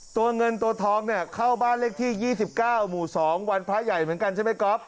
ตัวเงินตัวทองเนี่ยเข้าบ้านเลขที่๒๙หมู่๒วันพระใหญ่เหมือนกันใช่ไหมก๊อฟ